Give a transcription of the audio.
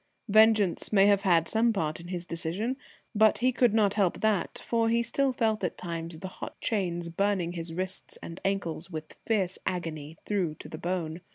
Vengeance may have had some part in his decision, but he could not help that, for he still felt at times the hot chains burning his wrists and ankles with fierce agony through to the bone.